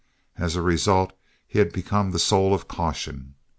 As a result, he had become the soul of caution.